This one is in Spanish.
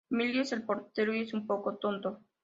Emílio es el portero y es un poco tonto.